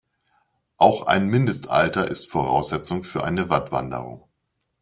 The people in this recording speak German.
Auch ein Mindestalter ist Voraussetzung für eine Wattwanderung.